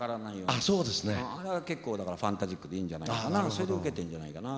それで受けてんじゃないかな。